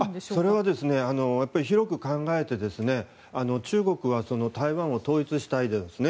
それは、広く考えて中国は台湾を統一したいんですね。